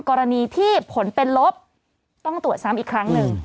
กรณีที่ผลเป็นลบต้องตรวจซ้ำอีกครั้งหนึ่ง